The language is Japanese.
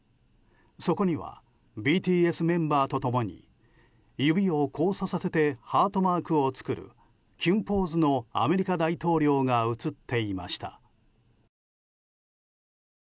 そこには、ＢＴＳメンバーと共に指を交差させてハートマークを作るキュンポーズのアメリカ大統領が写っていました。